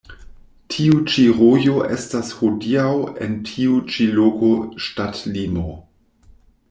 Tiu ĉi rojo estas hodiaŭ en tiu ĉi loko ŝtatlimo.